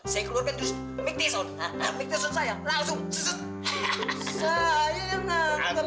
saya keluarkan terus mik tison mik tison saya langsung